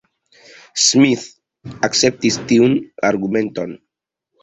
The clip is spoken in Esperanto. Smith akceptis tiun argumenton.